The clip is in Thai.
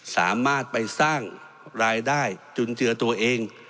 สามารถไปสร้างรายได้จุนเจือตัวเอง